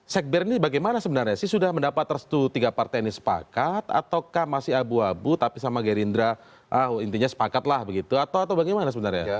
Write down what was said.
sekber ini bagaimana sebenarnya sih sudah mendapat restu tiga partai ini sepakat ataukah masih abu abu tapi sama gerindra intinya sepakatlah begitu atau bagaimana sebenarnya